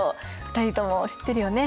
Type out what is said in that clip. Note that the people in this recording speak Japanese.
２人とも知ってるよね？